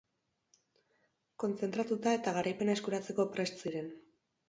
Kontzentratuta eta garaipena eskuratzeko prest ziren.